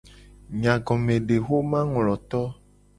Nyagomedexomangloto.